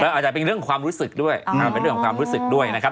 อาจจะเป็นเรื่องความรู้สึกด้วยเป็นเรื่องของความรู้สึกด้วยนะครับ